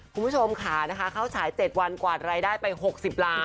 คุณผู้ชมค่ะนะคะเข้าฉาย๗วันกวาดรายได้ไป๖๐ล้าน